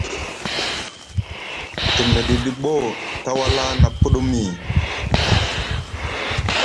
Te miɗiɗi boo tawala na puɗumi.